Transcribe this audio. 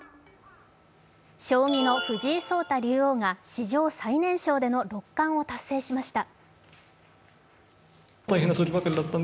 将棋の藤井聡太竜王が史上最年少での六冠を達成しました。